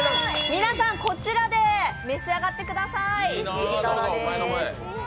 皆さん、こちらで召し上がってください。